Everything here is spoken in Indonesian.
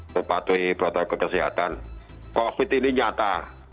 sepatuhi protokol kesehatan covid ini nyata